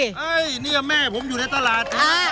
เฮ้ยเนี่ยแม่ผมอยู่ในตลาด